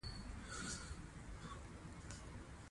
نبي کريم صلی الله عليه وسلم چې کله د انصارو